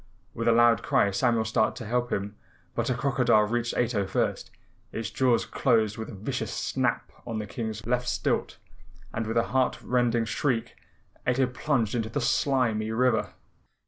With a loud cry Samuel started to help him, but a crocodile reached Ato first. Its jaws closed with a vicious snap on the King's left stilt and with a heart rending shriek Ato plunged into the slimy river.